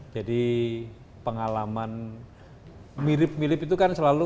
pengalaman mirip mirip itu kan selalu